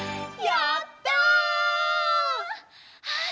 やった！